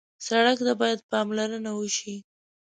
سړک ته باید پاملرنه وشي.